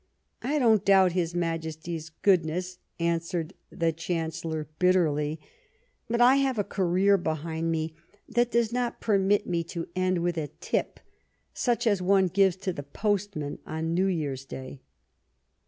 " I don't doubt his Majesty's goodness," an swered the Chancellor bitterly ;'' but I have a career behind me that does not permit me to end with a tip, such as orfe gives to the postman on New Year's Day."